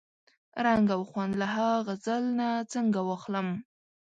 رنګ او خوند له ها غزل نه څنګه واخلم؟